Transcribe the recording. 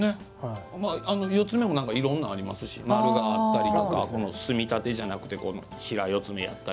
四つ目もいろんなのがありますし、丸があったり隅立てじゃなくて平形だったり。